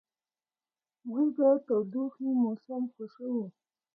موږ د تودوخې موسم خوښوو.